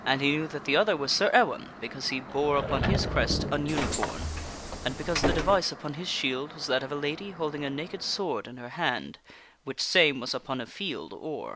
ff the knew that the other was Sir Ewaine, because he bore upon his crest an unicorn, and because the device upon his shield was that of a lady holding a naked sword in her hand, which same was upon a field or.